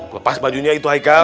lepas bajunya itu haikal